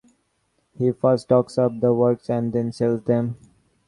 He first talks up the works and then sells them.